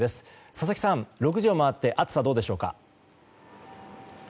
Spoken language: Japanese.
佐々木さん、６時を回って暑さはどうでしょうか？